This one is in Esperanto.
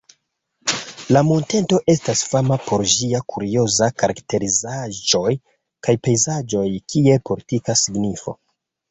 La monteto estas fama por ĝia kurioza karakterizaĵoj kaj pejzaĝoj, kiel politika signifo.